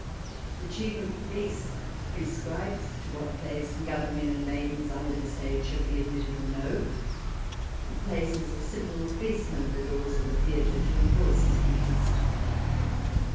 The Chief of Police pre scribes to what plays young men and maidens under this age shall be admitted or no, and places a simple policeman at the doors of the theatre to enforce his behest.